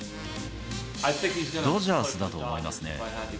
ドジャースだと思いますね。